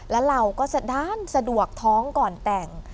แล้วเราก็สะด้านสะดวกท้องก่อนแต่ง